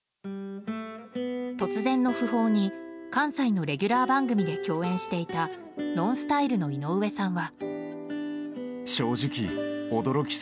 突然の訃報に、関西のレギュラー番組で共演していたＮＯＮＳＴＹＬＥの井上さんは。